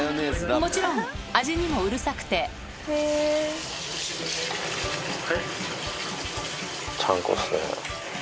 もちろん味にもうるさくてちゃんこっすね。